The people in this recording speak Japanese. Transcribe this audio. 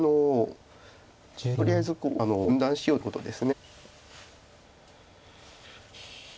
とりあえずこう分断しようということです。